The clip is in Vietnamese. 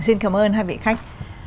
xin cảm ơn hai vị khách